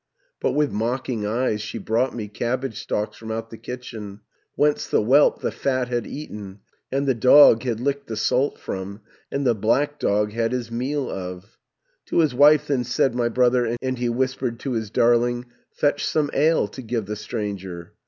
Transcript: But with mocking eyes she brought me Cabbage stalks from out the kitchen, Whence the whelp the fat had eaten, 810 And the dog had licked the salt from, And the black dog had his meal of. "To his wife then said my brother, And he whispered to his darling, 'Fetch some ale to give the stranger!'